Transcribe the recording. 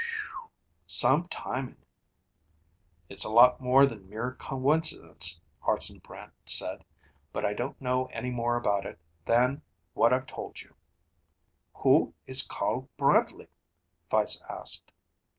"Some timing." "It's a lot more than mere coincidence," Hartson Brant said. "But I don't know any more about it than what I've told you." "Who is Carl Bradley?" Weiss asked.